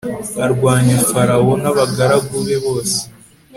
arwanya farawo n'abagaragu be bose